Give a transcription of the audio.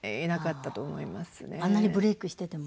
あんなにブレークしてても？